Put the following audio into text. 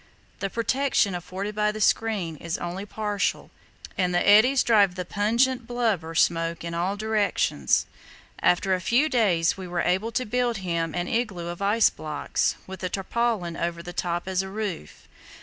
The protection afforded by the screen is only partial, and the eddies drive the pungent blubber smoke in all directions." After a few days we were able to build him an igloo of ice blocks, with a tarpaulin over the top as a roof.